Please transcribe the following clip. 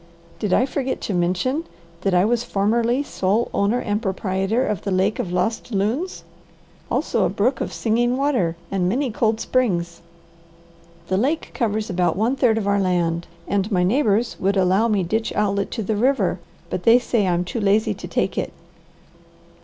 "Did I forget to mention that I was formerly sole owner and proprietor of the lake of Lost Loons, also a brook of Singing Water, and many cold springs. The lake covers about one third of our land, and my neighbours would allow me ditch outlet to the river, but they say I'm too lazy to take it."